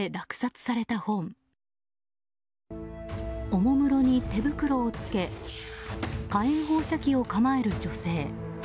おもむろに手袋を着け火炎放射器を構える女性。